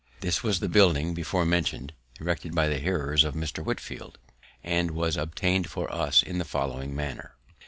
This was the building before mentioned, erected by the hearers of Mr. Whitefield, and was obtained for us in the following manner.